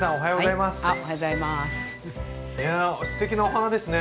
いやすてきなお花ですね。